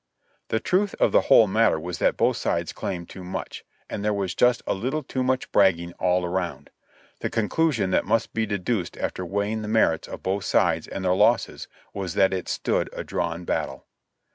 The truth of the whole matter was that both sides claimed too much ; and there was just a little too much bragging all around. The conclusion that must be deduced after weighing the merits of both sides and their losses, was that it stood a drawn battle.